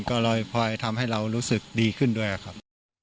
ก็ลอยทำให้เรารู้สึกดีขึ้นด้วยครับ